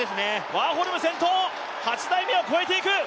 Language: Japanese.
ワーホルム先頭、８台目を超えていく。